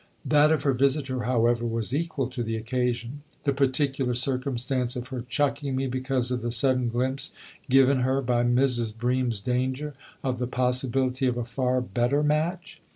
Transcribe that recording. That of her visitor, however, was equal to the occasion. " The particular circumstance of her chucking me because of the sudden glimpse given her, by Mrs. Bream's danger, of the possibility of a far better match